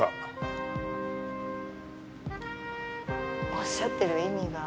おっしゃってる意味が。